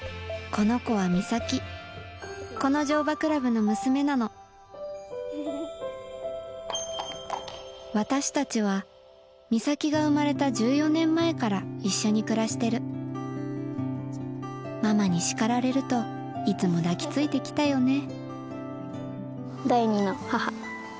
この子は心咲この乗馬クラブの娘なの私たちは心咲が生まれた１４年前から一緒に暮らしてるママに叱られるといつも抱き付いて来たよね